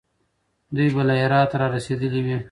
دوی به له هراته را رسېدلي وي.